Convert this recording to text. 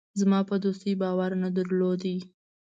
زما په دوستۍ باور نه درلود.